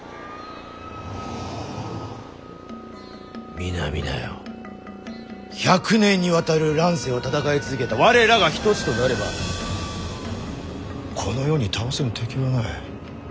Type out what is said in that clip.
皆々よ１００年にわたる乱世を戦い続けた我らが一つとなればこの世に倒せぬ敵はない。